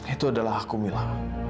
itu adalah aku mila